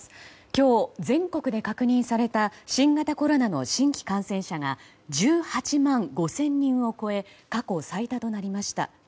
今日、全国で確認された新型コロナの新規感染者が１８万５０００人を超え過去最多となりました。